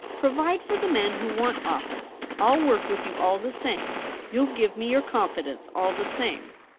Provide for the men who want office; Til work with you all the same — ^you'll give me your con fidence all the same.'